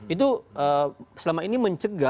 itu selama ini mencecar